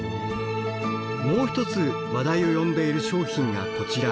もう一つ話題を呼んでいる商品がこちら。